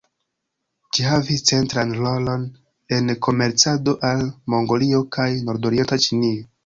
Ĝi havis centran rolon en komercado al Mongolio kaj Nordorienta Ĉinio.